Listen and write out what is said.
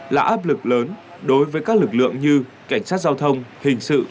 là áp lực lớn đối với các lực lượng như cảnh sát giao thông hình sự